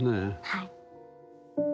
はい。